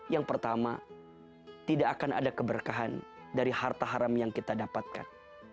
yang pertama tidak akan ada keberkahan dari harta haram yang kita dapatkan